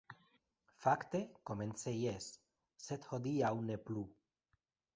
Fakte komence jes, sed hodiaŭ ne plu.